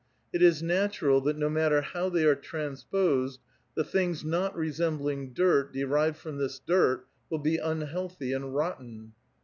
It is natural that no matter how they are transposed, the things not resembling dirt, derived from this dirt will be unhealthy and rotten."